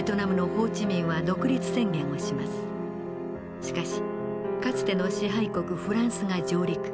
しかしかつての支配国フランスが上陸。